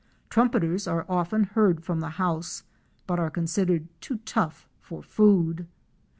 Trumpeters " are often heard from the house but are considered too tough for food.